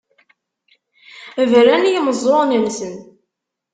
Bran i yimeẓẓuɣen-nsen.